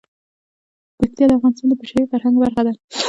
پکتیا د افغانستان د بشري فرهنګ برخه ده.